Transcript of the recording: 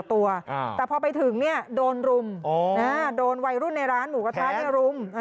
แต่พอไปถึงเนี่ยโดนรุมโดนวัยรุ่นในร้านหมูกระทะรุม